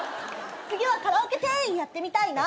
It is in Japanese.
次はカラオケ店員やってみたいな。